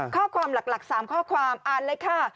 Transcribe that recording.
ข้อความหลัก๓ข้อความอ่านเลยค่ะ